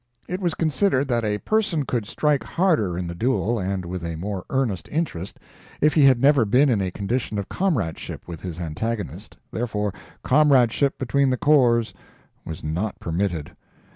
It was considered that a person could strike harder in the duel, and with a more earnest interest, if he had never been in a condition of comradeship with his antagonist; therefore, comradeship between the corps was not permitted.